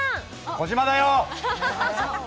児嶋だよ！